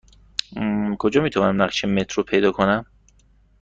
کجا می توانم نقشه مترو پیدا کنم؟